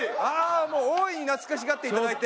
もう大いに懐かしがっていただいて。